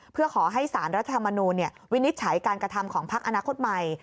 เพื่อขอให้สารรัฐธรรมนูลวินิจฉัยการกระทำของพักอนาคตใหม่